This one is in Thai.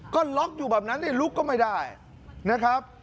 ก็ล็อกอยู่แบบนั้นลุกก็ไม่ได้นะครับ